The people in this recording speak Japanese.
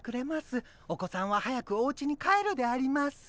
お子さんは早くおうちに帰るであります。